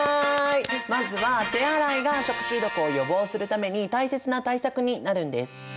まずは手洗いが食中毒を予防するために大切な対策になるんです。